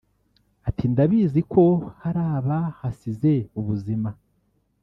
Ati“Ndabizi ko hari abahasize ubuzima